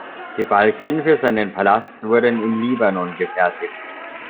Die Balken für seinen Palast wurden im Libanon gefertigt.